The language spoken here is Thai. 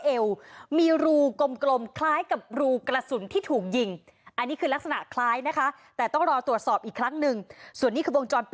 เอวมีรูกลมคล้ายกับรูกระสุนที่ถูกยิงอันนี้คือลักษณะคล้ายนะคะแต่ต้องรอตรวจสอบอีกครั้งหนึ่งส่วนนี้คือวงจรปิ